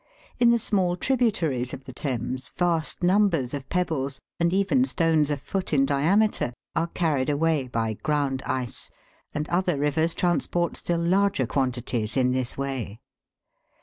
In the small tributaries of the Thames, vast numbers of pebbles, and even stones a foot in diameter, are carried away by ground ice, and other rivers transport still larger quantities in this way.